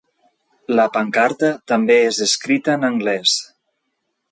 La pancarta també és escrita en anglès.